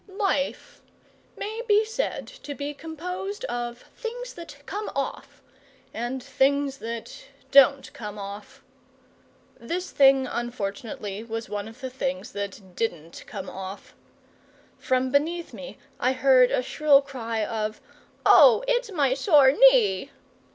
Life may be said to be composed of things that come off and things that don't come off. This thing, unfortunately, was one of the things that didn't come off. From beneath me I heard a shrill cry of, "Oh, it's my sore knee!"